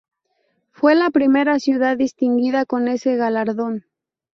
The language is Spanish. Fue la primera ciudad distinguida con ese galardón.